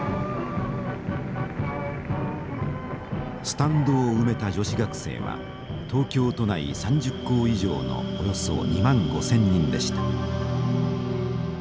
スタンドを埋めた女子学生は東京都内３０校以上のおよそ２万５，０００人でした。